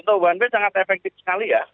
untuk banb sangat efektif sekali ya